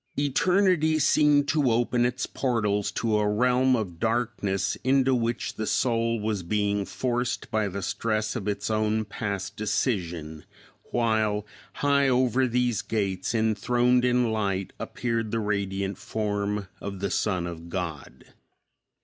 Eternity seemed to open its portals to a realm of darkness into which the soul was being forced by the stress of its own past decision, while high over these gates enthroned in light appeared the radiant form of the Son of God.